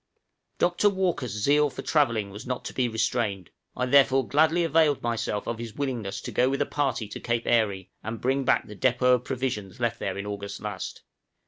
} Doctor Walker's zeal for travelling was not to be restrained; I therefore gladly availed myself of his willingness to go with a party to Cape Airey and bring back the depôt of provisions left there in August last.